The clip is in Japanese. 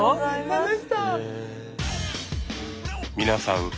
皆さん